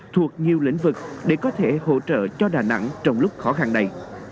thuộc nhiều lĩnh vực để có thể hỗ trợ cho đà nẵng trong lúc khó khăn này